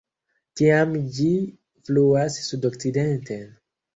Tiam ĝi fluas sudokcidenten.